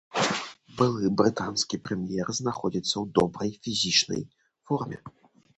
Былы брытанскі прэм'ер знаходзіцца ў добрай фізічнай форме.